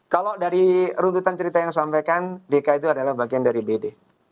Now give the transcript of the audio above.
kalau dari runtutan cerita yang disampaikan dk itu adalah bagian dari bd